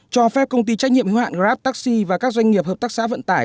cho phép công ty trách nhiệm hữu hạn grab taxi và các doanh nghiệp hợp tác xã vận tải